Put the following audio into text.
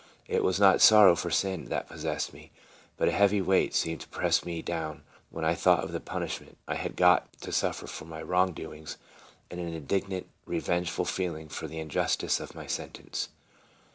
It was not sorrow for sin that possessed me, but a heavy weight seemed to press me down when I thought of the punishment I had got to suffer for my wrong doings, and an indignant, revengeful feeling for the injustice of my sen tence.